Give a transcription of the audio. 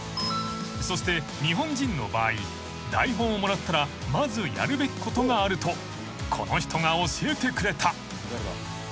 ［そして日本人の場合台本をもらったらまずやるべきことがあるとこの人が教えてくれた］